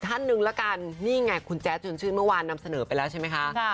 ท่านหนึ่งละกันนี่ไงคุณแจ๊ดชวนชื่นเมื่อวานนำเสนอไปแล้วใช่ไหมคะ